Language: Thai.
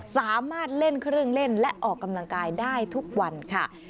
สามารถเล่นเครื่องเล่นและออกกำลังกายได้ทุกวันค่ะ